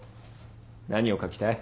何を書きたい？